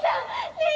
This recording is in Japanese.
ねえ！